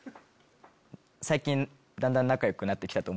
最近だんだん仲良くなってきたと思うんだけど